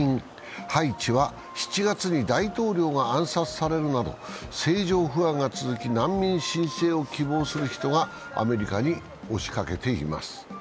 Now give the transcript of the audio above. ハイチは７月に大統領が暗殺されるなど政情不安が続き、難民申請を希望する人がアメリカに押しかけています。